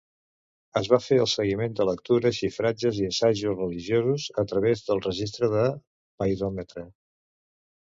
Es va fer el seguiment de lectures, xifratges i assajos religiosos a través del registre de paidòmetre.